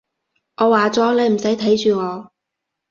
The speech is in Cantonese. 我話咗，你唔使睇住我